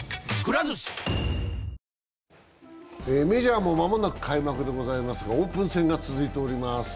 メジャーも間もなく開幕でございますがオープン戦が続いております。